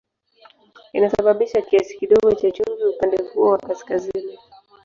Inasababisha kiasi kidogo cha chumvi upande huo wa kaskazini.